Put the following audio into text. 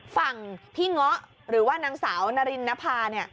ฝั่งพี่เงาะหรือว่านางสาวนารินนภาเนี่ย